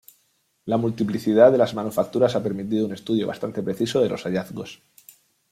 La multiplicidad de las manufacturas ha permitido un estudio bastante preciso de los hallazgos.